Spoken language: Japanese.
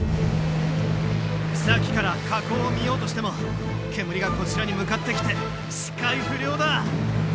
さっきから火口を見ようとしても煙がこちらに向かってきて視界不良だ！